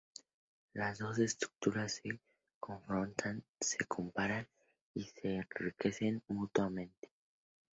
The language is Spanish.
Las dos estructuras se confrontan, se comparan, y se enriquecen mutuamente.